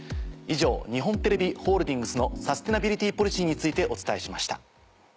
以上日本テレビホールディングスのサステナビリティポリシーについてお伝えしました。